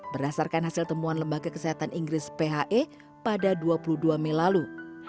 berdasarkan hasil temuan lembaga kesehatan inggris phe pada dua puluh dua mei lalu